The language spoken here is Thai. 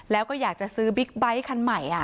แล้วก็อยากจะซื้อบิ๊กไบท์คันใหม่